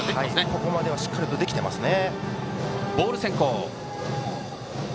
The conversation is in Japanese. ここまではしっかりできていますね。